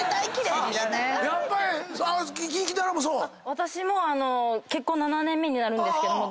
私も結婚７年目になるんですけども。